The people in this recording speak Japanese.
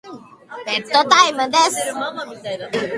ベッドタイムです。